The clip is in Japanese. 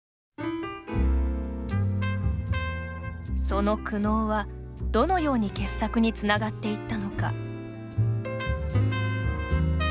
その苦悩は、どのように傑作につながっていったのか。